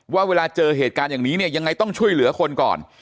ว่าเวลาเจอเหตุการณ์อย่างนี้เนี่ยยังไงต้องช่วยเหลือคนก่อน